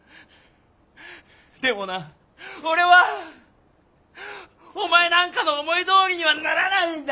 でもな俺はお前なんかの思いどおりにはならないんだ！